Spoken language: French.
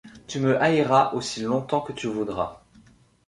Tu me haïras aussi longtemps que tu voudras.